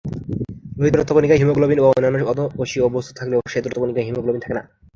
লোহিত রক্তকণিকায় হিমোগ্লোবিন ও অন্যান্য অন্তঃকোষীয় বস্তু থাকলেও শ্বেত রক্তকণিকায় হিমোগ্লোবিন থাকে না।